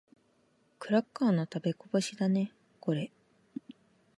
クラッカーの食べこぼしだね、これ。